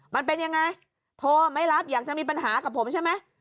มันเป็นยังไงโทรไม่รับอยากจะมีปัญหากับผมใช่ไหม